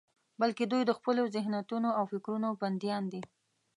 بلکې دوی د خپلو ذهنيتونو او فکرونو بندیان دي.